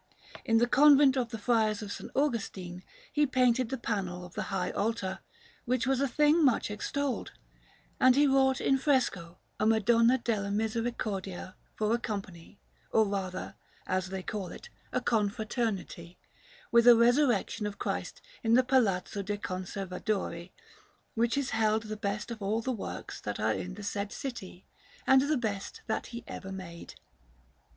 In the Convent of the Friars of S. Augustine he painted the panel of the high altar, which was a thing much extolled; and he wrought in fresco a Madonna della Misericordia for a company, or rather, as they call it, a confraternity; with a Resurrection of Christ in the Palazzo de' Conservadori, which is held the best of all the works that are in the said city, and the best that he ever made.